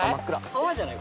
川じゃない？